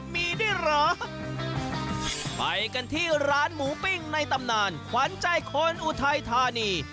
มีด้วยเหรอไปกันที่ร้านหมูปิ้งในตำนานขวัญใจคนอุทัยธานี